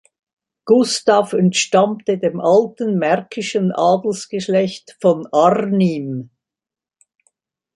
Gustav entstammte dem alten märkischen Adelsgeschlecht von Arnim.